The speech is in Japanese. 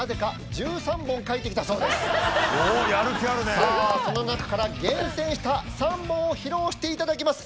さあその中から厳選した３本を披露して頂きます。